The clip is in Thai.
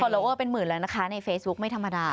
โลโอเป็นหมื่นแล้วนะคะในเฟซบุ๊กไม่ธรรมดา